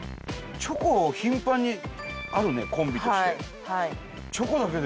チョコ頻繁にあるねコンビとして。